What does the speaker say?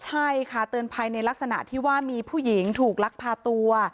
ใช่ค่ะเตือนภัยในลักษณะที่ว่ามีผู้หญิงถูกลักพาตัว